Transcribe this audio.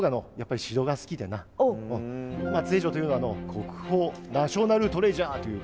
松江城というのはの国宝ナショナルトレジャーというの。